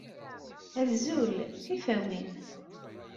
Azul. Tifawin!